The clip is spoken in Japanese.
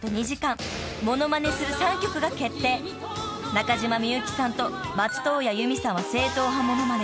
［中島みゆきさんと松任谷由実さんは正統派モノマネ］